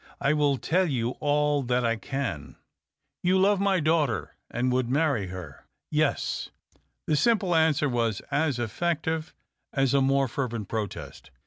I will tell you all that I can." " You love my daughter, and would marry her ?" 294 THE OCTAVE OF CLAUDIUS. " Yes." The simple answer was as effective as a more fervent protest.